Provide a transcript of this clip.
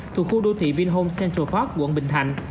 thuộc khu đô thị vinhome central park quận bình thạnh